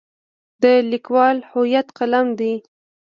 د لیکوال هویت قلم دی.